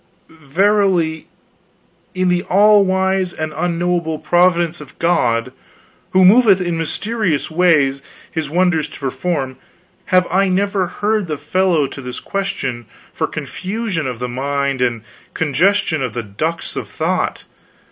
"Verily, in the all wise and unknowable providence of God, who moveth in mysterious ways his wonders to perform, have I never heard the fellow to this question for confusion of the mind and congestion of the ducts of thought.